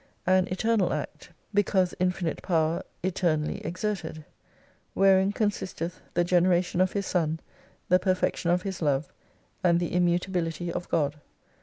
An Eternal Act because infinite power eternally exerted Wherein consisteth the generation of His Son, the perfection of His Love, and the immutability of God.